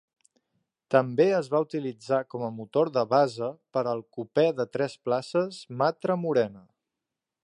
També es va utilitzar com a motor de base per al cupè de tres places Matra Murena.